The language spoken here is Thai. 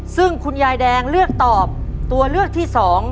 ซึ่งคุณยายแดงเลือกตอบตัวเลือกที่๒